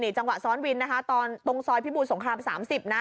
จังหวะซ้อนวินนะคะตอนตรงซอยพิบูรสงคราม๓๐นะ